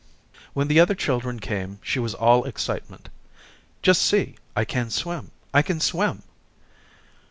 When the other children came, she was all excitement. "Just see. I can swim, I can swim."